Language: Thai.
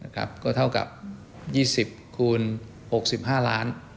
ก็เท่ากับ๒๐คูณ๖๕ล้าน